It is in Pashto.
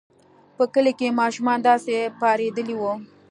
په کلي کې ماشومان داسې پارېدلي وو.